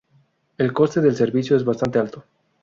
El coste del servicio es bastante alto.